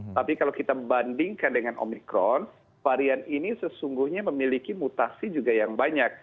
tapi kalau kita bandingkan dengan omikron varian ini sesungguhnya memiliki mutasi juga yang banyak